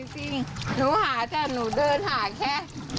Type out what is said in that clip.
จริงหนูหาแต่หนูเดินหาแค่